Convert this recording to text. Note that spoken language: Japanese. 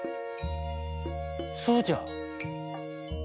そうじゃ。